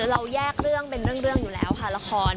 เราแยกเรื่องเป็นเรื่องอยู่แล้วค่ะละคร